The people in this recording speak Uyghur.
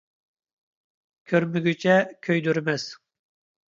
كۆرمىگۈچە كۆيدۈرمەس.